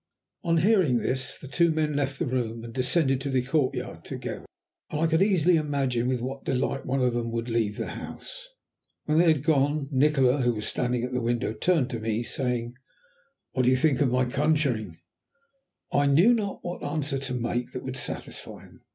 On hearing this, the two men left the room and descended to the courtyard together, and I could easily imagine with what delight one of them would leave the house. When they had gone, Nikola, who was standing at the window, turned to me, saying "What do you think of my conjuring?" I knew not what answer to make that would satisfy him.